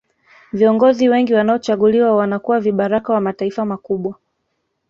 viongozi wengi wanaochaguliwa wanakuwa vibaraka wa mataifa makubwa